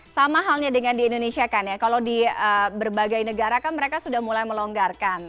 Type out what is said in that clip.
sama halnya dengan di indonesia kan ya kalau di berbagai negara kan mereka sudah mulai melonggarkan